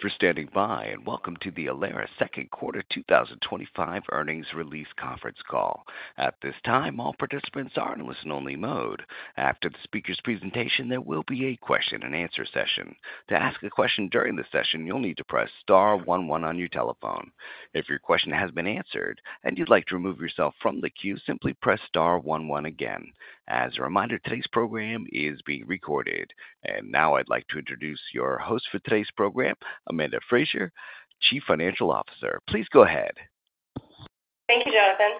for standing by and welcome to the Alaris Second Quarter 2025 Earnings Release Conference Call. At this time, all participants are in a listen-only mode. After the speaker's presentation, there will be a question-and-answer session. To ask a question during the session, you'll need to press star one one on your telephone. If your question has been answered and you'd like to remove yourself from the queue, simply press star one one again. As a reminder, today's program is being recorded. Now I'd like to introduce your host for today's program, Amanda Frazer, Chief Financial Officer. Please go ahead. Thank you, Jonathan.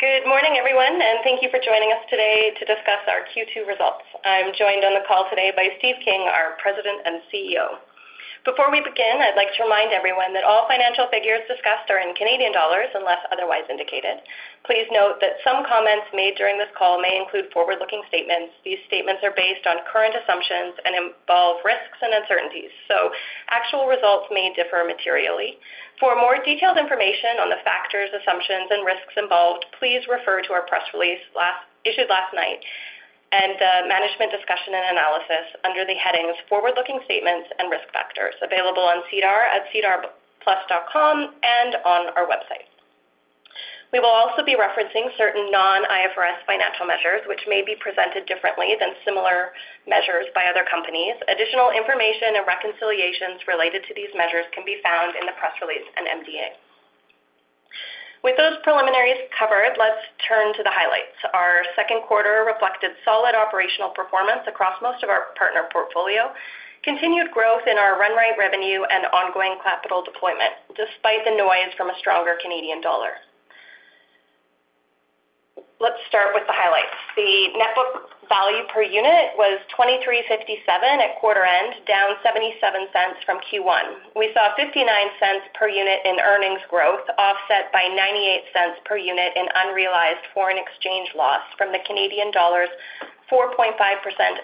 Good morning, everyone, and thank you for joining us today to discuss our Q2 results. I'm joined on the call today by Steve King, our President and CEO. Before we begin, I'd like to remind everyone that all financial figures discussed are in Canadian dollars unless otherwise indicated. Please note that some comments made during this call may include forward-looking statements. These statements are based on current assumptions and involve risks and uncertainties, so actual results may differ materially. For more detailed information on the factors, assumptions, and risks involved, please refer to our press release issued last night and the management discussion and analysis under the headings Forward-Looking Statements and Risk Factors, available on CDAR at cdarplus.com and on our website. We will also be referencing certain non-IFRS financial measures, which may be presented differently than similar measures by other companies. Additional information and reconciliations related to these measures can be found in the press release and MDA. With those preliminaries covered, let's turn to the highlights. Our second quarter reflected solid operational performance across most of our partner portfolio, continued growth in our run-rate revenue, and ongoing capital deployment despite the noise from a stronger Canadian dollar. Let's start with the highlights. The net book value per unit was 23.57 at quarter end, down 0.77 from Q1. We saw 0.59 per unit in earnings growth, offset by 0.98 per unit in unrealized foreign exchange loss from the Canadian dollar's 4.5%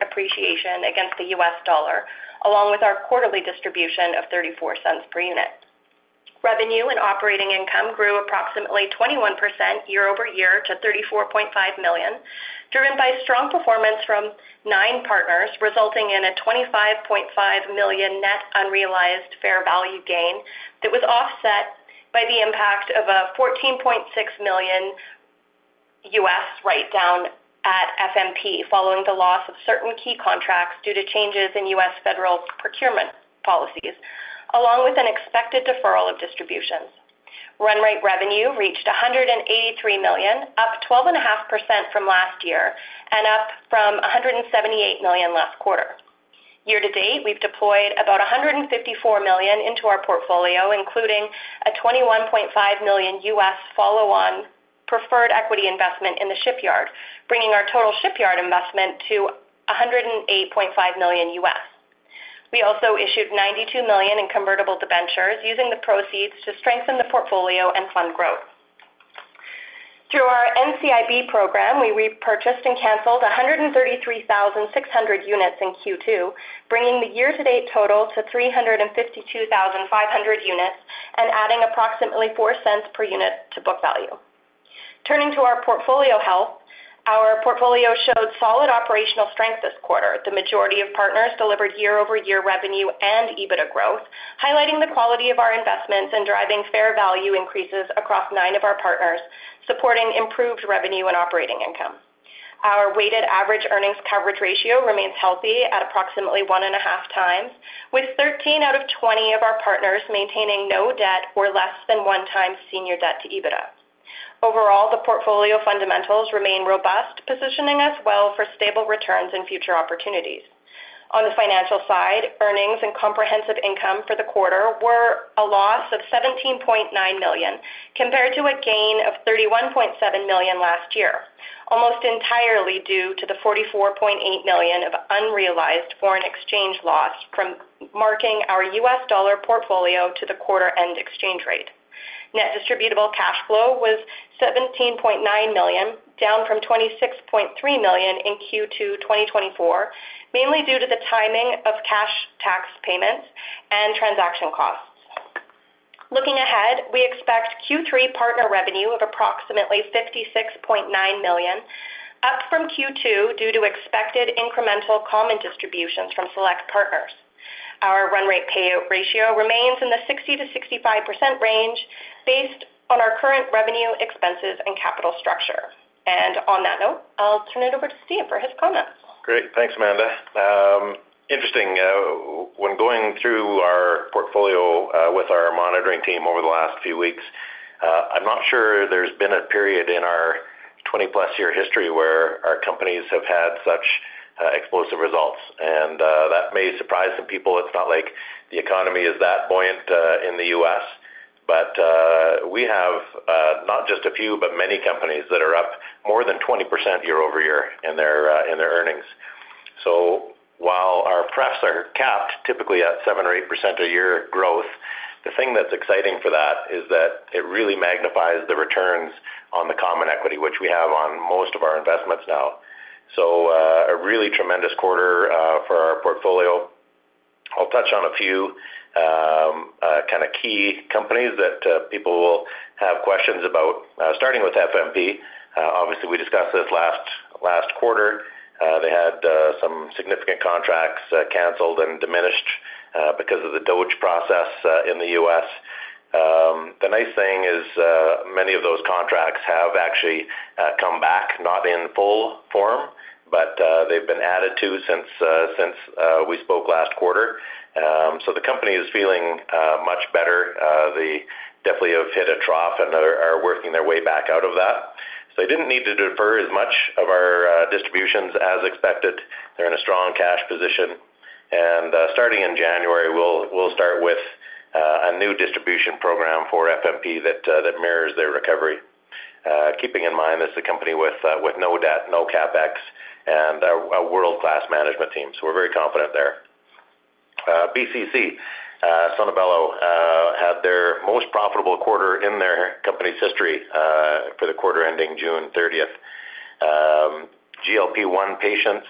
appreciation against the U.S. dollar, along with our quarterly distribution of 0.34 per unit. Revenue and operating income grew approximately 21% year-over-year to 34.5 million, driven by strong performance from nine partners, resulting in a 25.5 million net unrealized fair value gain that was offset by the impact of a $14.6 million write-down at FMP following the loss of certain key contracts due to changes in U.S. federal procurement policies, along with an expected deferral of distributions. Run-rate revenue reached 183 million, up 12.5% from last year and up from 178 million last quarter. Year to date, we've deployed about 154 million into our portfolio, including a $21.5 million follow-on preferred equity investment in the Shipyard, bringing our total Shipyard investment to $108.5 million. We also issued 92 million in convertible debentures, using the proceeds to strengthen the portfolio and fund growth. Through our NCIB program, we repurchased and canceled 133,600 units in Q2, bringing the year-to-date total to 352,500 units and adding approximately 0.04 per unit to book value. Turning to our portfolio health, our portfolio showed solid operational strength this quarter. The majority of partners delivered year-over-year revenue and EBITDA growth, highlighting the quality of our investments and driving fair value increases across nine of our partners, supporting improved revenue and operating income. Our weighted average earnings coverage ratio remains healthy at approximately 1.5x, with 13 out of 20 of our partners maintaining no debt or less than 1x senior debt to EBITDA. Overall, the portfolio fundamentals remain robust, positioning us well for stable returns and future opportunities. On the financial side, earnings and comprehensive income for the quarter were a loss of 17.9 million compared to a gain of 31.7 million last year, almost entirely due to the 44.8 million of unrealized foreign exchange loss from marking our U.S. dollar portfolio to the quarter-end exchange rate. Net distributable cash flow was 17.9 million, down from 26.3 million in Q2 2024, mainly due to the timing of cash tax payments and transaction costs. Looking ahead, we expect Q3 partner revenue of approximately 56.9 million, up from Q2 due to expected incremental common distributions from select partners. Our run-rate payout ratio remains in the 60%-65% range based on our current revenue, expenses, and capital structure. On that note, I'll turn it over to Steve for his comment. Great. Thanks, Amanda. Interesting, when going through our portfolio with our monitoring team over the last few weeks, I'm not sure there's been a period in our 20+ year history where our companies have had such explosive results. That may surprise some people. It's not like the economy is that buoyant in the U.S., but we have not just a few, but many companies that are up more than 20% year-over-year in their earnings. While our press are capped typically at 7% or 8% a year growth, the thing that's exciting for that is that it really magnifies the returns on the common equity, which we have on most of our investments now. A really tremendous quarter for our portfolio. I'll touch on a few kind of key companies that people will have questions about, starting with FMP. Obviously, we discussed this last quarter. They had some significant contracts canceled and diminished because of the DOGE process in the U.S. The nice thing is many of those contracts have actually come back, not in full form, but they've been added to since we spoke last quarter. The company is feeling much better. They definitely have hit a trough and are working their way back out of that. They didn't need to defer as much of our distributions as expected. They're in a strong cash position. Starting in January, we'll start with a new distribution program for FMP that mirrors their recovery, keeping in mind this is a company with no debt, no CapEx, and a world-class management team. We're very confident there. BCC Sono Bello had their most profitable quarter in their company's history for the quarter ending June 30th. GLP-1 patients,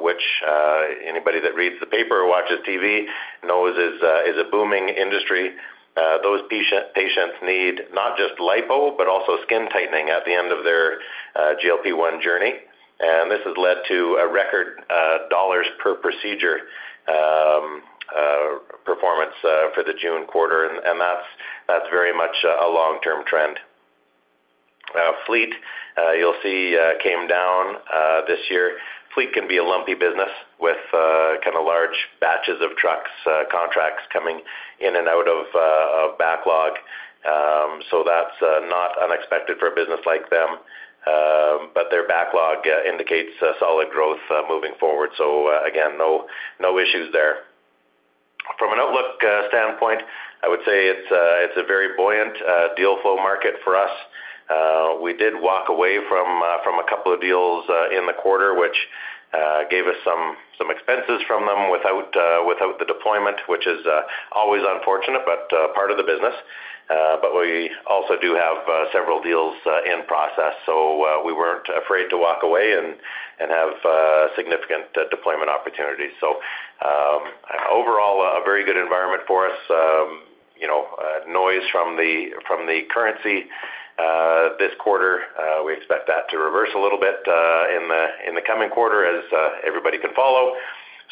which anybody that reads the paper or watches TV knows is a booming industry. Those patients need not just lipo, but also skin tightening at the end of their GLP-1 journey. This has led to a record dollars per procedure performance for the June quarter. That's very much a long-term trend. Fleet, you'll see, came down this year. Fleet can be a lumpy business with kind of large batches of trucks, contracts coming in and out of backlog. That's not unexpected for a business like them. Their backlog indicates solid growth moving forward. No issues there. From an outlook standpoint, I would say it's a very buoyant deal flow market for us. We did walk away from a couple of deals in the quarter, which gave us some expenses from them without the deployment, which is always unfortunate, but part of the business. We also do have several deals in process. We weren't afraid to walk away and have significant deployment opportunities. Overall, a very good environment for us. There was noise from the currency this quarter. We expect that to reverse a little bit in the coming quarter as everybody could follow.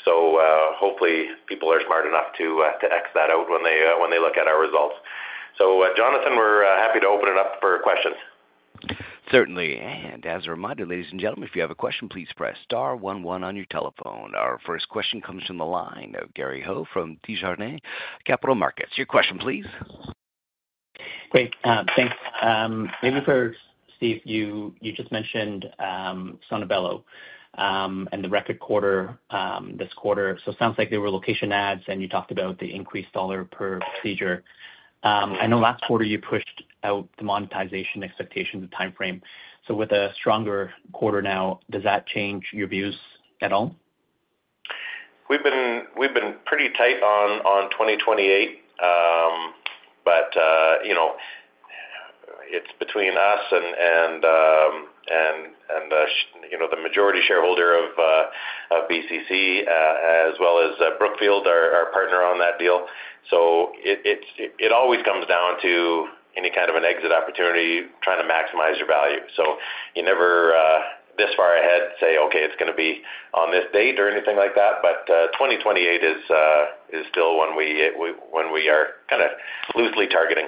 Hopefully, people are smart enough to X that out when they look at our results. Jonathan, we're happy to open it up for questions. Certainly. As a reminder, ladies and gentlemen, if you have a question, please press star one one on your telephone. Our first question comes from the line of Gary Ho from Desjardins Capital Markets. Your question, please. Great. Thanks. Maybe for Steve, you just mentioned Sono Bello and the record quarter this quarter. It sounds like there were location adds and you talked about the increased dollar per procedure. I know last quarter you pushed out the monetization expectations of timeframe. With a stronger quarter now, does that change your views at all? We've been pretty tight on 2028. It's between us and the majority shareholder of BCC as well as Brookfield, our partner on that deal. It always comes down to any kind of an exit opportunity, trying to maximize your value. You never this far ahead say, okay, it's going to be on this date or anything like that. 2028 is still when we are kind of loosely targeting.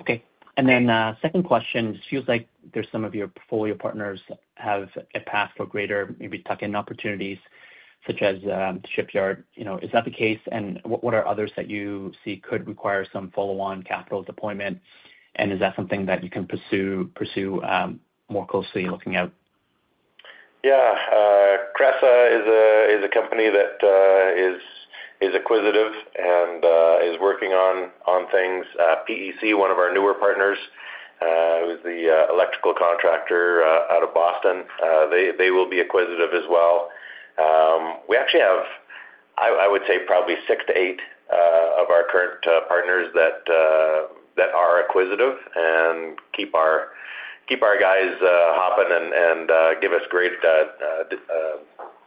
Okay. Second question, it seems like some of your portfolio partners have a path for greater maybe tuck-in opportunities such as Shipyard. Is that the case? What are others that you see could require some follow-on capital deployment? Is that something that you can pursue more closely looking out? Cresa is a company that is acquisitive and is working on things. PEC, one of our newer partners, who is the electrical contractor out of Boston, they will be acquisitive as well. We actually have, I would say, probably six to eight of our current partners that are acquisitive and keep our guys hopping and give us great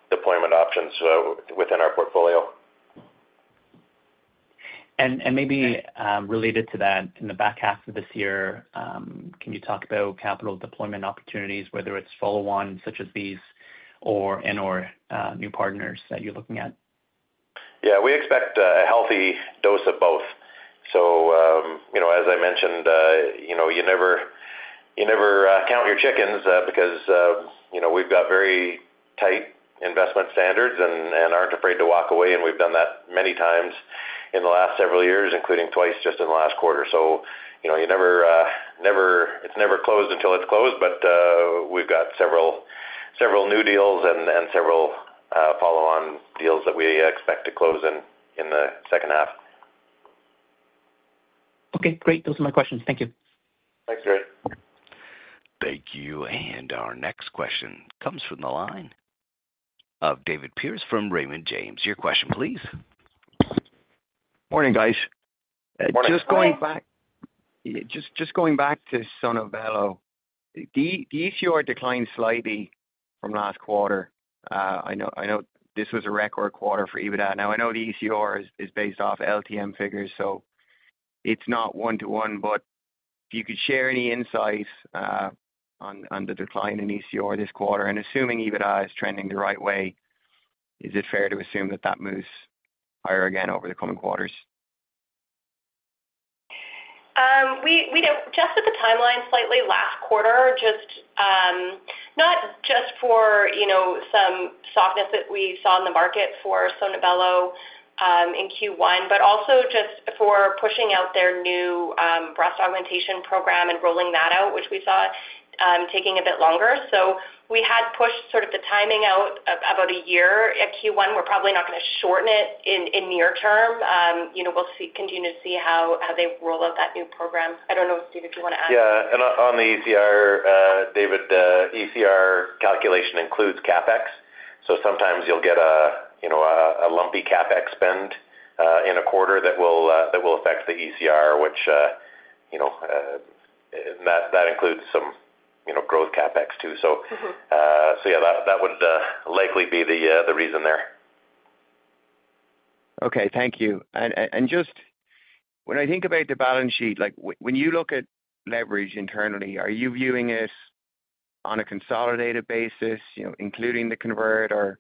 deployment options within our portfolio. In the back half of this year, can you talk about capital deployment opportunities, whether it's follow-on such as these and/or new partners that you're looking at? We expect a healthy dose of both. As I mentioned, you never count your chickens because we've got very tight investment standards and aren't afraid to walk away. We've done that many times in the last several years, including twice just in the last quarter. It's never closed until it's closed. We've got several new deals and several follow-on deals that we expect to close in the second half. Okay, great. Those are my questions. Thank you. Thanks, Gary. Thank you. Our next question comes from the line of David Pierce from Raymond James. Your question, please. Morning, guys. Morning, guys. Just going back to Sono Bello, the ECR declined slightly from last quarter. I know this was a record quarter for EBITDA. I know the ECR is based off LTM figures, so it's not 1:1, but if you could share any insights on the decline in ECR this quarter. Assuming EBITDA is trending the right way, is it fair to assume that that moves higher again over the coming quarters? We just hit the timeline slightly last quarter, not just for, you know, some softness that we saw in the market for Sono Bello in Q1, but also for pushing out their new breast augmentation program and rolling that out, which we saw taking a bit longer. We had pushed the timing out about a year at Q1. We're probably not going to shorten it in the near term. We'll continue to see how they roll out that new program. I don't know, Steve, if you want to add. Yeah, on the ECR, David, the ECR calculation includes CapEx. Sometimes you'll get a lumpy CapEx spend in a quarter that will affect the ECR, which includes some growth CapEx too. That would likely be the reason there. Thank you. When I think about the balance sheet, when you look at leverage internally, are you viewing this on a consolidated basis, including the convert, or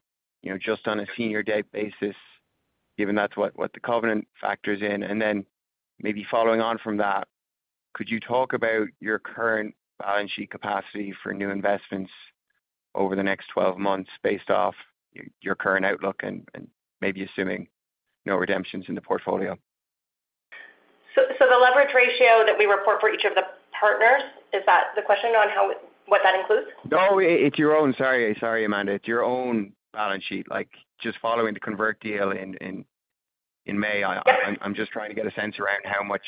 just on a senior-debt basis, given that's what the covenant factors in? Maybe following on from that, could you talk about your current balance sheet capacity for new investments over the next 12 months based off your current outlook and assuming no redemptions in the portfolio? Is that the question on what the leverage ratio that we report for each of the partners includes? Sorry, Amanda. It's your own balance sheet. Like just following the convert deal in May, I'm just trying to get a sense around how much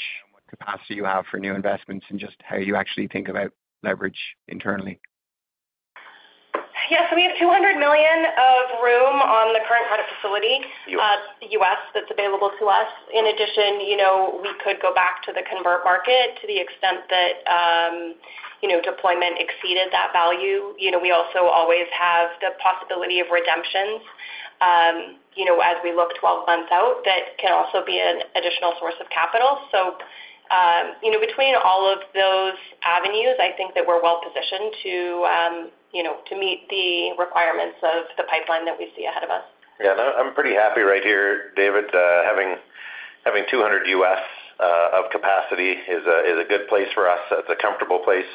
capacity you have for new investments and just how you actually think about leverage internally. Yeah, we have $200 million of room on the current credit facility at the U.S. that's available to us. In addition, we could go back to the convert market to the extent that deployment exceeded that value. We also always have the possibility of redemptions as we look 12 months out; that can also be an additional source of capital. Between all of those avenues, I think that we're well positioned to meet the requirements of the pipeline that we see ahead of us. Yeah, I'm pretty happy right here, David. Having $200 million of capacity is a good place for us. It's a comfortable place.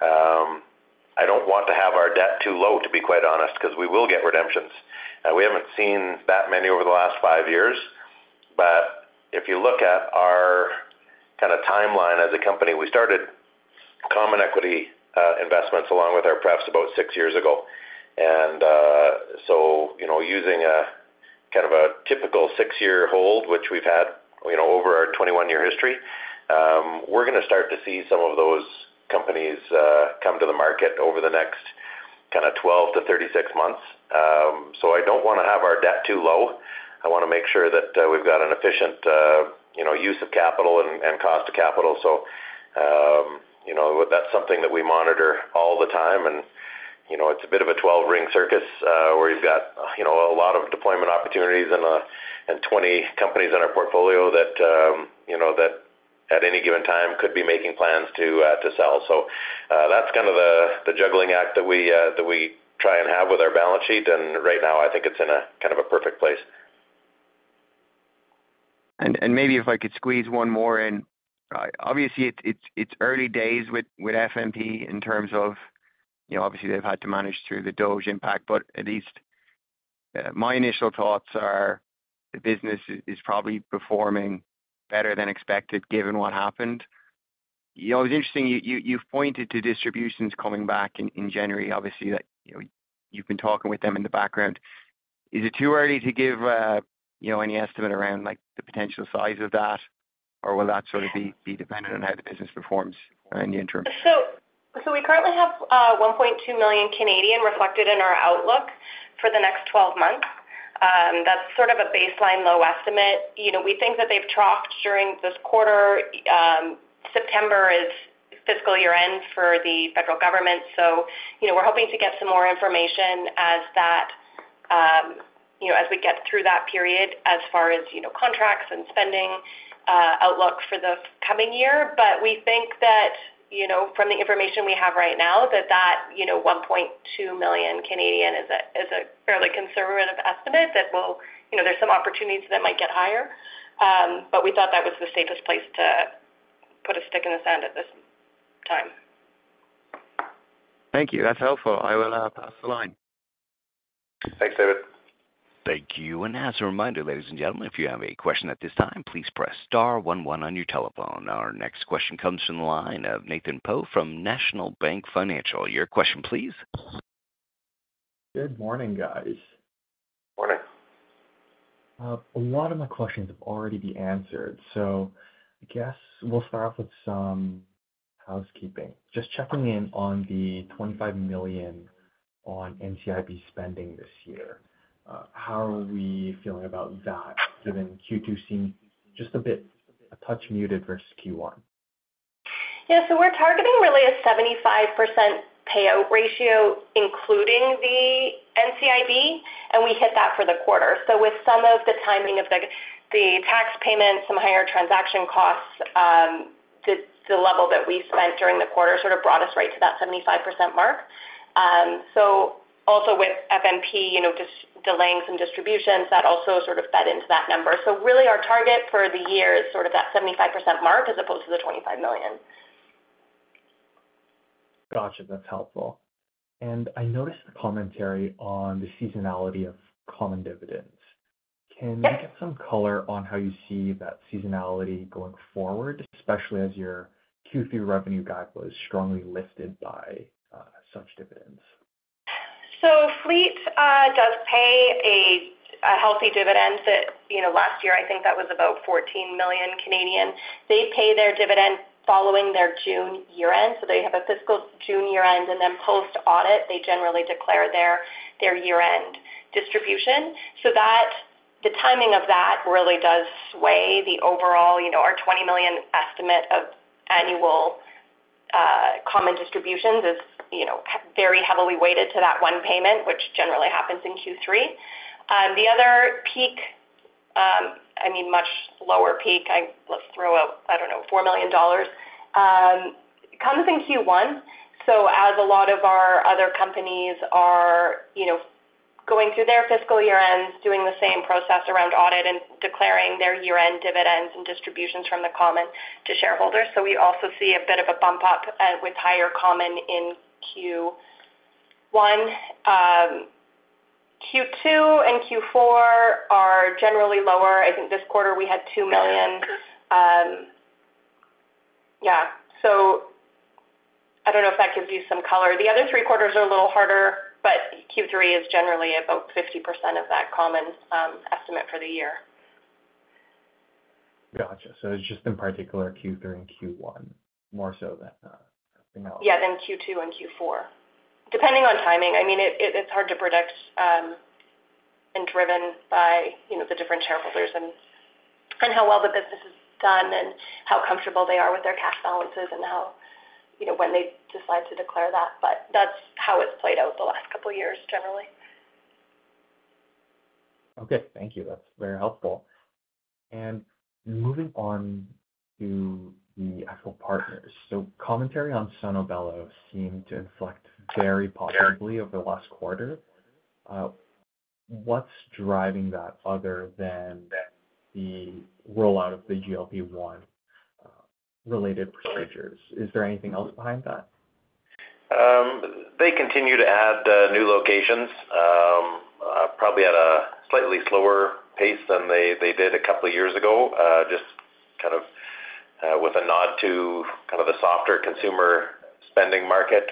I don't want to have our debt too low, to be quite honest, because we will get redemptions. We haven't seen that many over the last five years. If you look at our kind of timeline as a company, we started common equity investments along with our preps about six years ago. Using a kind of a typical six-year hold, which we've had over our 21-year history, we're going to start to see some of those companies come to the market over the next 12-36 months. I don't want to have our debt too low. I want to make sure that we've got an efficient use of capital and cost of capital. That's something that we monitor all the time. It's a bit of a 12-ring circus where you've got a lot of deployment opportunities and 20 companies in our portfolio that at any given time could be making plans to sell. That's kind of the juggling act that we try and have with our balance sheet. Right now, I think it's in a kind of a perfect place. Maybe if I could squeeze one more in, obviously, it's early days with FMP in terms of, you know, they've had to manage through the DOGE impact. At least my initial thoughts are the business is probably performing better than expected given what happened. It was interesting, you've pointed to distributions coming back in January, obviously, that you've been talking with them in the background. Is it too early to give any estimate around the potential size of that, or will that sort of be dependent on how the business performs in the interim? We currently have 1.2 million reflected in our outlook for the next 12 months. That's sort of a baseline low estimate. We think that they've troughed during this quarter. September is fiscal year end for the U.S. federal government. We're hoping to get some more information as we get through that period as far as contracts and spending outlook for the coming year. We think that from the information we have right now, that 1.2 million is a fairly conservative estimate. There are some opportunities that might get higher. We thought that was the safest place to put a stick in the sand at this time. Thank you. That's helpful. I will pass the line. Thanks, David. Thank you. As a reminder, ladies and gentlemen, if you have a question at this time, please press star one one on your telephone. Our next question comes from the line of Nathan Po from National Bank Financial. Your question, please. Good morning, guys. Morning. A lot of my questions have already been answered. I guess we'll start off with some housekeeping. Just checking in on the 25 million on NCIB spending this year. How are we feeling about that given Q2 seemed just a bit, a touch muted versus Q1? Yeah, we're targeting really a 75% payout ratio, including the NCIB, and we hit that for the quarter. With some of the timing of the tax payments and some higher transaction costs, the level that we spent during the quarter brought us right to that 75% mark. With FMP just delaying some distributions, that also fed into that number. Our target for the year is that 75% mark as opposed to the 25 million. Gotcha. That's helpful. I noticed the commentary on the seasonality of common dividends. Can we get some color on how you see that seasonality going forward, especially as your Q3 revenue guide was strongly lifted by such dividends? Fleet does pay a healthy dividend that, you know, last year I think that was about 14 million. They pay their dividend following their June year-end. They have a fiscal June year-end and then post-audit, they generally declare their year-end distribution. The timing of that really does sway the overall, you know, our 20 million estimate of annual common distributions is, you know, very heavily weighted to that one payment, which generally happens in Q3. The other peak, I mean, much lower peak, I'll throw out, I don't know, 4 million dollars, comes in Q1. As a lot of our other companies are, you know, going through their fiscal year-ends, doing the same process around audit and declaring their year-end dividends and distributions from the common to shareholders, we also see a bit of a bump up with higher common in Q1. Q2 and Q4 are generally lower. I think this quarter we had 2 million. Yeah. I don't know if that gives you some color. The other three quarters are a little harder, but Q3 is generally about 50% of that common estimate for the year. Gotcha. It's just in particular Q3 and Q1 more so than anything else. Yeah, Q2 and Q4. Depending on timing, it's hard to predict and driven by the different shareholders and how well the business is done and how comfortable they are with their cash balances and how, you know, when they decide to declare that. That's how it's played out the last couple of years generally. Okay. Thank you. That's very helpful. Moving on to the actual partners, commentary on Sono Bello seemed to inflect very positively over the last quarter. What's driving that other than the rollout of the GLP-1-related procedures? Is there anything else behind that? They continue to add new locations, probably at a slightly slower pace than they did a couple of years ago, just with a nod to the softer consumer spending market.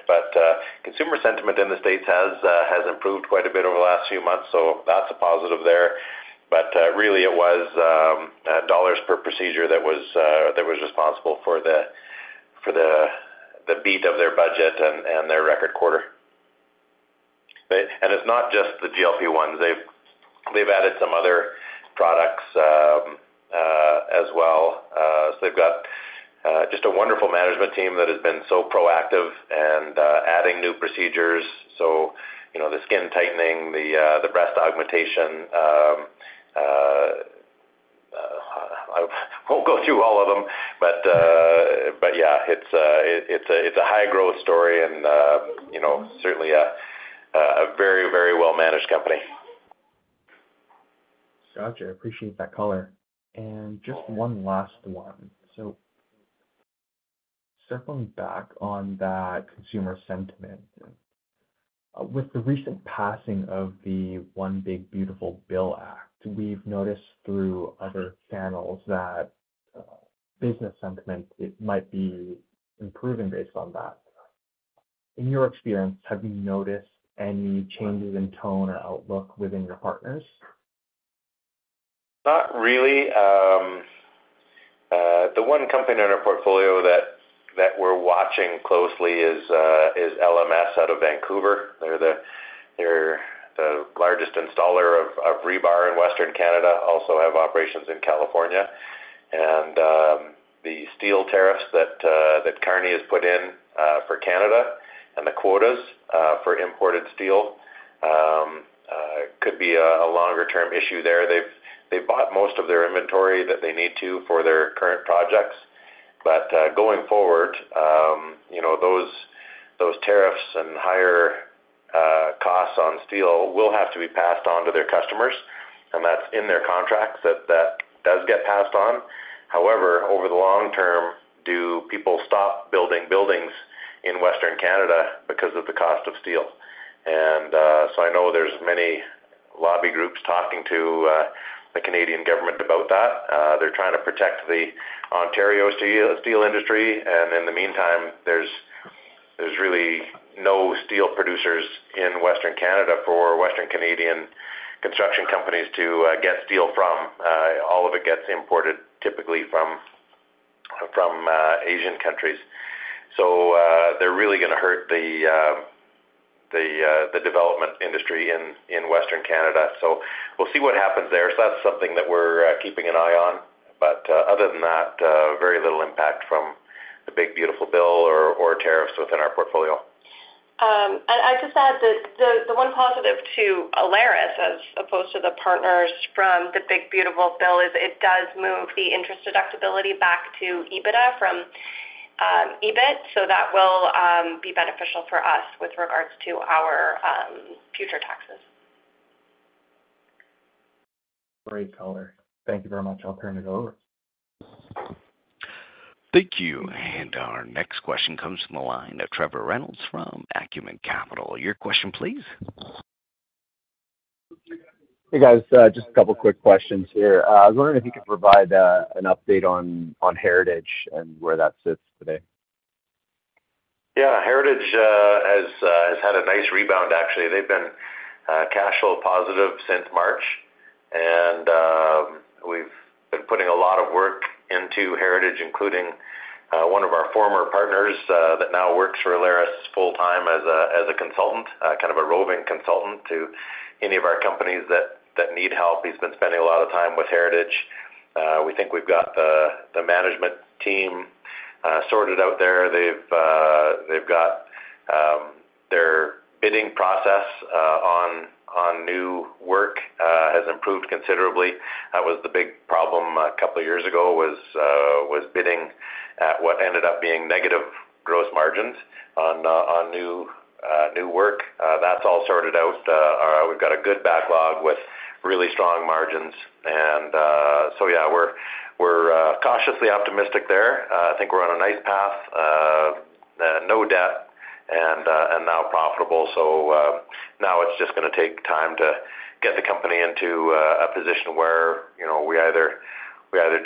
Consumer sentiment in the U.S. has improved quite a bit over the last few months. That's a positive there. Really, it was dollars per procedure that was responsible for the beat of their budget and their record quarter. It's not just the GLP-1-related procedures. They've added some other products as well. They've got a wonderful management team that has been so proactive in adding new procedures, like skin tightening and breast augmentation. I won't go through all of them. It's a high-growth story and certainly a very, very well-managed company. I appreciate that color. Just one last one. Circling back on that consumer sentiment, with the recent passing of the One Big Beautiful Bill Act, we've noticed through other channels that business sentiment might be improving based on that. In your experience, have you noticed any changes in tone or outlook within your partners? Not really. The one company in our portfolio that we're watching closely is LMS out of Vancouver. They're the largest installer of rebar in Western Canada and also have operations in California. The steel tariffs that Canada has put in for Canada and the quotas for imported steel could be a longer-term issue there. They've bought most of their inventory that they need to for their current projects, but going forward, those tariffs and higher costs on steel will have to be passed on to their customers. That's in their contracts; that does get passed on. However, over the long term, do people stop building buildings in Western Canada because of the cost of steel? I know there are many lobby groups talking to the Canadian government about that. They're trying to protect the Ontario steel industry. In the meantime, there's really no steel producers in Western Canada for Western Canadian construction companies to get steel from. All of it gets imported, typically from Asian countries. They're really going to hurt the development industry in Western Canada. We'll see what happens there. That's something that we're keeping an eye on. Other than that, very little impact from the tariffs within our portfolio. I just add that the one positive to Alaris, as opposed to the partners from the Big Beautiful Bill, is it does move the interest deductibility back to EBITDA from EBIT. That will be beneficial for us with regards to our future taxes. Great color. Thank you very much. I'll turn it over. Thank you. Our next question comes from the line of Trevor Reynolds from Acumen Capital. Your question, please. Hey, guys. Just a couple of quick questions here. I was wondering if you could provide an update on Heritage and where that sits today. Heritage has had a nice rebound, actually. They've been cash flow positive since March. We've been putting a lot of work into Heritage, including one of our former partners that now works for Alaris full-time as a consultant, kind of a roving consultant to any of our companies that need help. He's been spending a lot of time with Heritage. We think we've got the management team sorted out there. Their bidding process on new work has improved considerably. That was the big problem a couple of years ago, bidding at what ended up being negative gross margins on new work. That's all sorted out. We've got a good backlog with really strong margins. We're cautiously optimistic there. I think we're on a nice path, no debt, and now profitable. Now it's just going to take time to get the company into a position where we either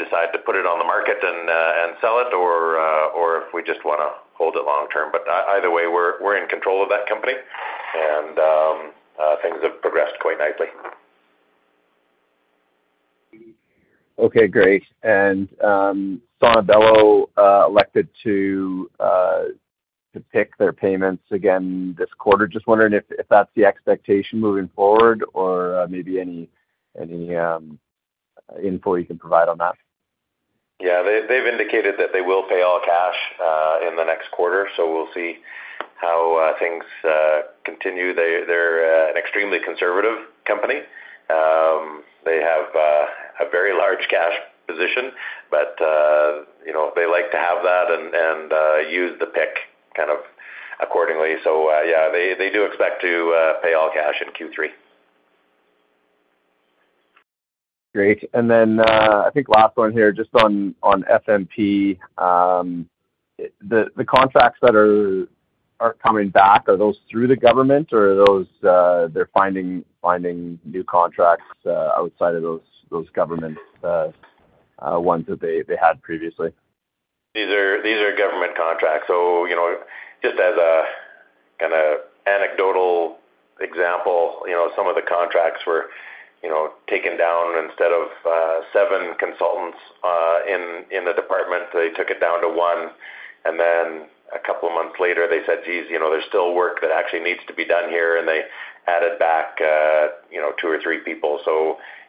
decide to put it on the market and sell it, or if we just want to hold it long term. Either way, we're in control of that company, and things have progressed quite nicely. Got it. Okay, great. And Sono Bello elected to pick their payments again this quarter. Just wondering if that's the expectation moving forward or maybe any info you can provide on that. Yeah, they've indicated that they will pay all cash in the next quarter. We'll see how things continue. They're an extremely conservative company. They have a very large cash position, but you know, they like to have that and use the PIK kind of accordingly. They do expect to pay all cash in Q3. Great. I think last one here, just on FMP. The contracts that aren't coming back, are those through the government, or are those they're finding new contracts outside of those government ones that they had previously? These are government contracts. Just as a kind of anecdotal example, some of the contracts were taken down. Instead of seven consultants in the department, they took it down to one. A couple of months later, they said, geez, there's still work that actually needs to be done here, and they added back two or three people.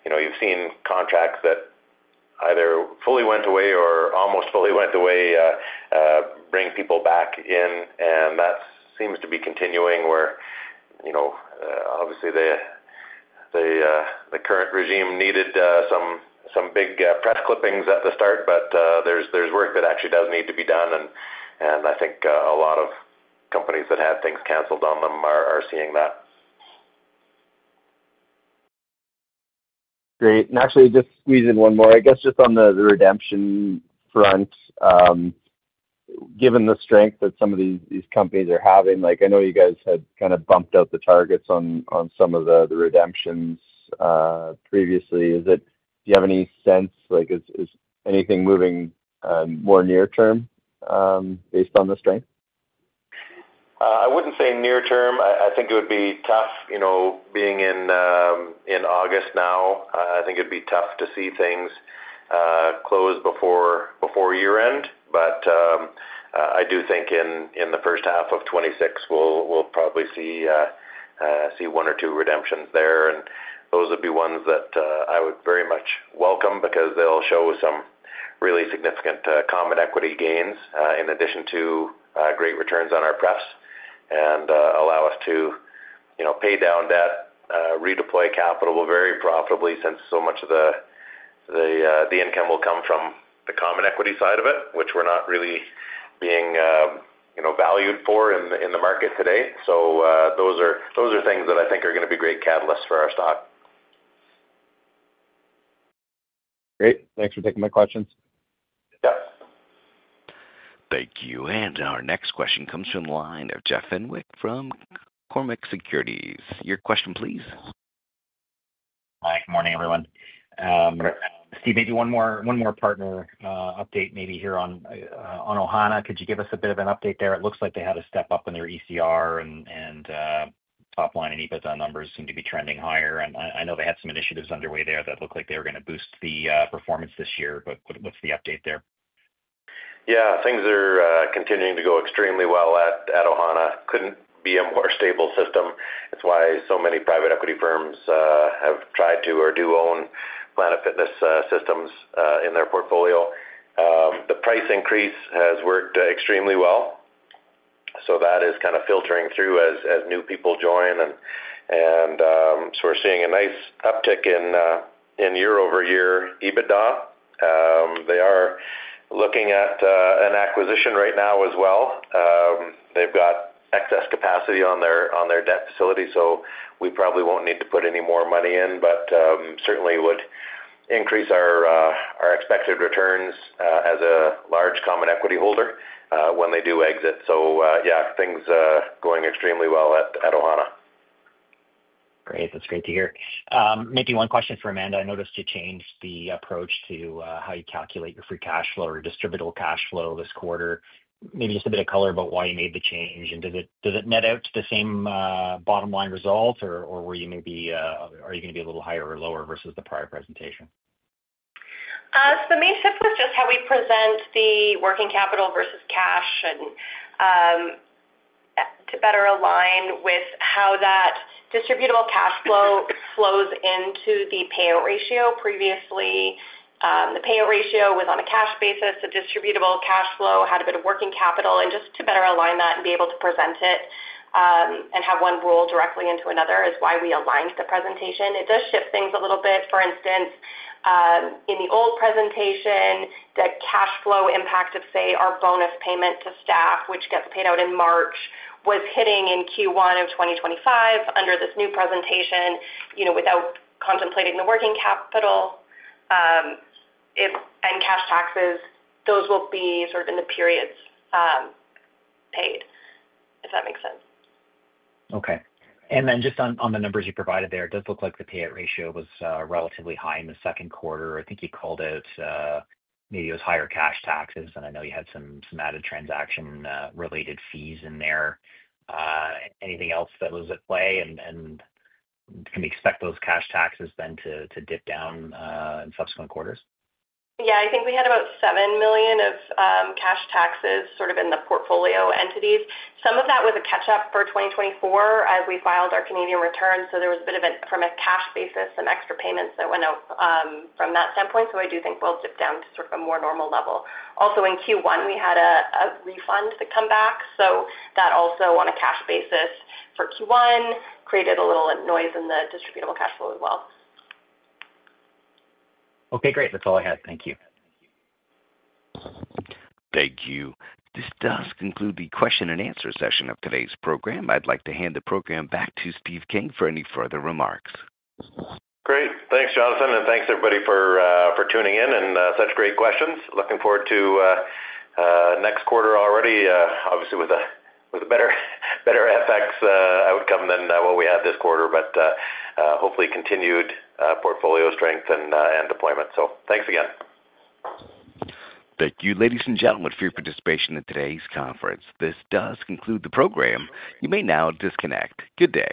You've seen contracts that either fully went away or almost fully went away bring people back in. That seems to be continuing where, obviously, the current regime needed some big press clippings at the start. There's work that actually does need to be done, and I think a lot of companies that had things canceled on them are seeing that. Great. Actually, just squeeze in one more. I guess just on the redemption front, given the strength that some of these companies are having, like I know you guys had kind of bumped up the targets on some of the redemptions previously. Do you have any sense, like, is anything moving more near-term based on the strength? I wouldn't say near-term. I think it would be tough, you know, being in August now. I think it'd be tough to see things close before year-end. I do think in the first half of 2026, we'll probably see one or two redemptions there. Those would be ones that I would very much welcome because they'll show some really significant common equity gains in addition to great returns on our press and allow us to, you know, pay down debt, redeploy capital very profitably since so much of the income will come from the common equity side of it, which we're not really being, you know, valued for in the market today. Those are things that I think are going to be great catalysts for our stock. Great. Thanks for taking my questions. Yep. Thank you. Our next question comes from the line of Jeff Fenwick from Cormark Securities. Your question, please. Hi. Good morning, everyone. Steve, maybe one more partner update here on Ohana. Could you give us a bit of an update there? It looks like they had a step up in their ECR and top line, and EBITDA numbers seem to be trending higher. I know they had some initiatives underway there that look like they were going to boost the performance this year. What's the update there? Yeah, things are continuing to go extremely well at Ohana. Couldn't be a more stable system. It's why so many private equity firms have tried to or do own Planet Fitness Systems in their portfolio. The price increase has worked extremely well. That is kind of filtering through as new people join, and we're seeing a nice uptick in year-over-year EBITDA. They are looking at an acquisition right now as well. They've got excess capacity on their debt facility. We probably won't need to put any more money in, but certainly would increase our expected returns as a large common equity holder when they do exit. Yeah, things are going extremely well at Ohana. Great. That's great to hear. Maybe one question for Amanda. I noticed you changed the approach to how you calculate your free cash flow or your distributable cash flow this quarter. Maybe just a bit of color about why you made the change. Does it net out the same bottom line result, or are you maybe going to be a little higher or lower versus the prior presentation? The main step was just how we present the working capital versus cash and to better align with how that distributable cash flow flows into the payout ratio. Previously, the payout ratio was on a cash basis. The distributable cash flow had a bit of working capital. Just to better align that and be able to present it and have one rule directly into another is why we aligned the presentation. It does shift things a little bit. For instance, in the old presentation, the cash flow impact of, say, our bonus payment to staff, which gets paid out in March, was hitting in Q1 of 2025. Under this new presentation, without contemplating the working capital and cash taxes, those will be sort of in the periods paid, if that makes sense. Okay. On the numbers you provided there, it does look like the payout ratio was relatively high in the second quarter. I think you called it maybe it was higher cash taxes, and I know you had some added transaction-related fees in there. Anything else that was at play? Can we expect those cash taxes then to dip down in subsequent quarters? Yeah, I think we had about 7 million of cash taxes in the portfolio entities. Some of that was a catch-up for 2024. We filed our Canadian return, so there was a bit of it from a cash basis, some extra payments that went out from that standpoint. I do think we'll dip down to a more normal level. Also, in Q1, we had a refund that came back. That also on a cash basis for Q1 created a little noise in the distributable cash flow as well. Okay, great. That's all I had. Thank you. Thank you. This does conclude the question-and-answer session of today's program. I'd like to hand the program back to Steve King for any further remarks. Great. Thanks, Jonathan. Thanks, everybody, for tuning in and such great questions. Looking forward to next quarter already, obviously with a better FX outcome than what we had this quarter, hopefully continued portfolio strength and deployment. Thanks again. Thank you, ladies and gentlemen, for your participation in today's conference. This does conclude the program. You may now disconnect. Good day.